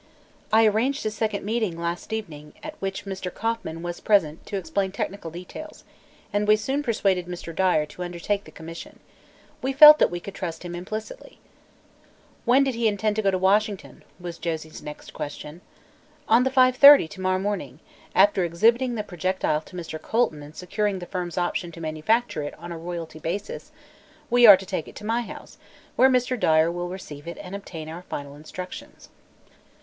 I arranged a second meeting, last evening, at which Mr. Kauffman was present to explain technical details, and we soon persuaded Mr. Dyer to undertake the commission. We felt that we could trust him implicity." "When did he intend to go to Washington?" was Josie's next question. "On the 5:30, to morrow morning. After exhibiting the projectile to Mr. Colton and securing the firm's option to manufacture it on a royalty basis, we are to take it to my house, where Mr. Dyer will receive it and obtain our final instructions."